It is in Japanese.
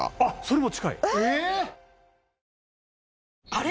あれ？